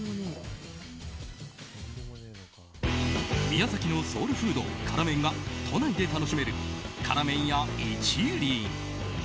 宮崎のソウルフード辛麺が都内で楽しめる辛麺屋一輪。